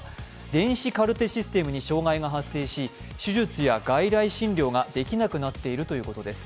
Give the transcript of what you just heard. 電子カルテシステムに障害が発生し、手術や外来診療ができなくなっているということです。